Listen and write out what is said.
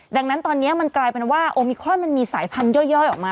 ดังนั้นตอนนี้มันกลายเป็นว่าโอมิครอนมันมีสายพันธย่อยออกมา